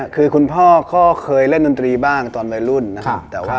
คุณพ่อเคยเล่นดนตรีบ้างตอนวัยรุ่นแหละ